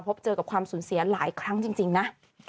พบเจอกับความสูญเสียหลายครั้งจริงนะ